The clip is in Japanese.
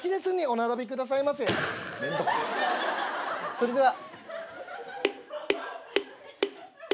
それでは。